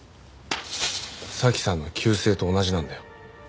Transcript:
早紀さんの旧姓と同じなんだよ。